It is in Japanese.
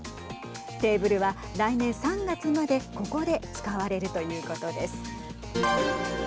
テーブルは、来年３月までここで使われるということです。